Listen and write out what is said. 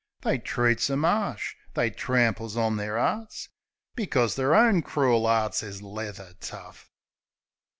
They treats 'em 'arsh ; they tramples on their 'earts ; Bpcos their own crool 'earts is leather tough.